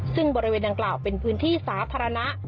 ซึ่งบริเวณดังกล่าวเป็นพื้นที่สาธารณะ